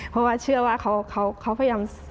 เพราะว่าเชื่อว่าเขาพยายาม